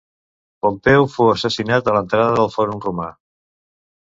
Pompeu fou assassinat a l'entrada del fòrum romà.